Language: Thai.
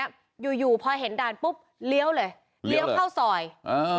อยู่อยู่พอเห็นด่านปุ๊บเลี้ยวเลยเลี้ยวเข้าซอยอ่า